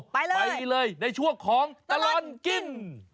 ไปเลยไปเลยในช่วงของตลอดกิน